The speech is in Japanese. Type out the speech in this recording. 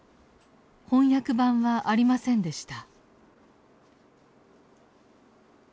翻訳版はありませんでした。